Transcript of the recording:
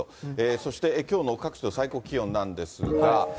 そして、きょうの各地の最高気温なんですが。